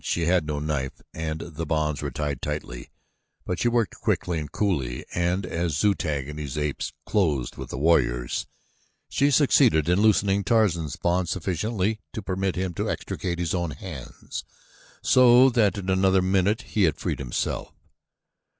She had no knife and the bonds were tied tightly but she worked quickly and coolly and as Zu tag and his apes closed with the warriors, she succeeded in loosening Tarzan's bonds sufficiently to permit him to extricate his own hands so that in another minute he had freed himself.